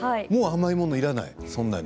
もう甘いものいらないの？